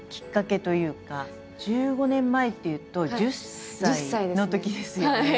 １５年前っていうと１０歳のときですよね。